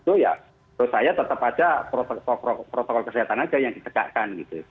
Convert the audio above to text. itu ya menurut saya tetap aja protokol kesehatan aja yang ditegakkan gitu